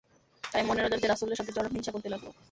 তাই মনের অজান্তে রাসূলের সাথে চরম হিংসা করতে লাগল।